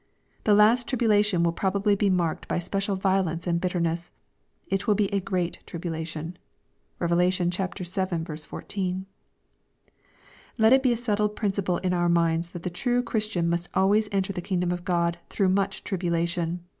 The last tribula tion will probably be marked by special violence and bit terness. It will be a " great tribulation." (Rev. vii. 14.) Let it be a settled principle in our minds that the true Christianmusfc always enter the kingdom of God *^ through much tribulation."